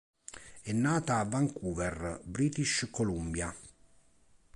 È nata a Vancouver, British Columbia